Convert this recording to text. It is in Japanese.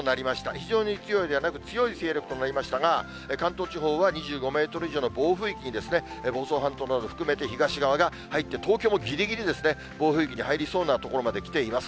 非常に強いではなく、強い勢力となりましたが、関東地方は２５メートル以上の暴風域に、房総半島などを含めて東側が入って、東京もぎりぎりですね、暴風域に入りそうな所まで来ています。